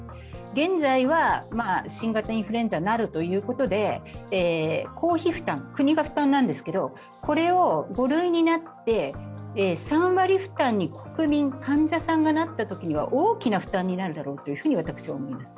現在は新型インフルエンザになるということで公費負担、国が負担なんですけど、これを５類になって３割負担に国民、患者さんがなったときには大きな負担になるだろうと私は思います。